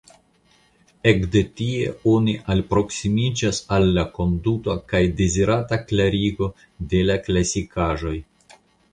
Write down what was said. Ekde tie oni alproksimiĝas al la konduto kaj dezirata klarigo de la klasikaĵoj.